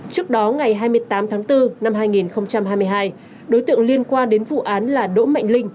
trước đó ngày hai mươi tám tháng bốn năm hai nghìn hai mươi hai đối tượng liên quan đến vụ án là đỗ mạnh linh